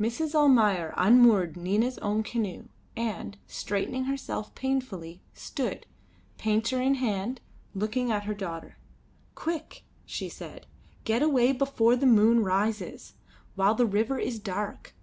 Mrs. Almayer unmoored Nina's own canoe and, straightening herself painfully, stood, painter in hand, looking at her daughter. "Quick," she said; "get away before the moon rises, while the river is dark.